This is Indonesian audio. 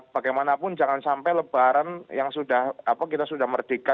bagaimanapun jangan sampai lebaran yang sudah kita sudah merdeka